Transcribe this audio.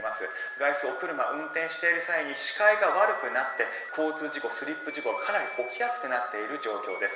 外出、お車を運転している際に視界が悪くなって交通事故、スリップ事故がかなり置きやすくなっている状況です。